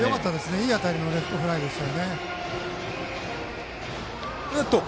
いい当たりのレフトフライでした。